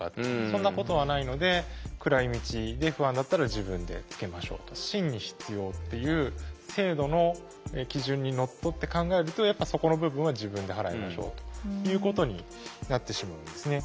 そんなことはないので暗い道で不安だったら自分でつけましょうと。にのっとって考えるとやっぱそこの部分は自分で払いましょうということになってしまうんですね。